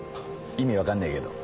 意味分かんねえけど。